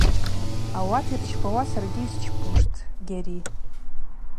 Ауат йырчпауа саргьи йсчпуштӏ, Гьари.